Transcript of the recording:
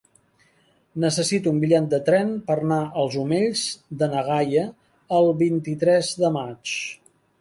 Necessito un bitllet de tren per anar als Omells de na Gaia el vint-i-tres de maig.